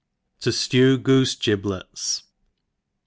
7(7 Jlew Goose Giblets.